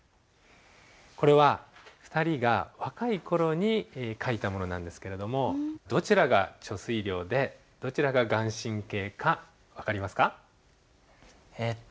これは２人が若い頃に書いたものなんですけれどもどちらが遂良でどちらが顔真か分かりまえっと